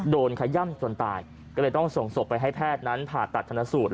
ขย่ำจนตายก็เลยต้องส่งศพไปให้แพทย์นั้นผ่าตัดธนสูตร